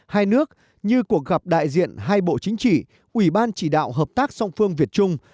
hai nước như cuộc gặp đại diện hai bộ chính trị ủy ban chỉ đạo hợp tác song phương việt trung